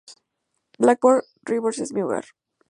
Blackburn Rovers es mi hogar.